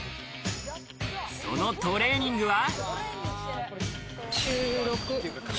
そのトレーニングは。